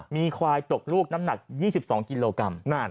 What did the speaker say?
มีควายตกลูกน้ำหนัก๒๒กิโลกรัม